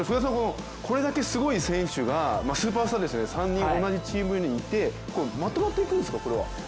これだけすごい選手がスーパースターですよね、３人同じチームにいてまとまっていくんですか、これは。